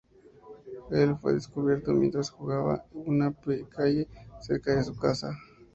Él fue descubierto mientras jugaba en una calle cerca de su casa.